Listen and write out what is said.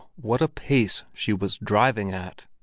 what a pace she was driving at!